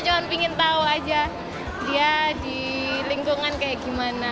cuma pengen tahu aja dia di lingkungan kayak gimana